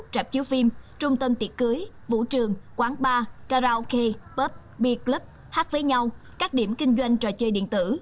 rạp chiếu phim trung tâm tiệc cưới vũ trường quán bar karaoke pob be club hát với nhau các điểm kinh doanh trò chơi điện tử